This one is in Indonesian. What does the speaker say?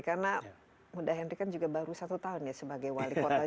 karena udah hendry kan juga baru satu tahun ya sebagai wali kota